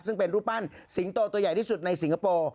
ซึ่งเป็นรูปปั้นสิงโตตัวใหญ่ที่สุดในสิงคโปร์